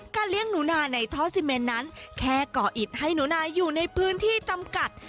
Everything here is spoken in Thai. เลี้ยงหนูนาในท่อซิเมนนั้นแค่ก่ออิดให้หนูนายอยู่ในพื้นที่จำกัด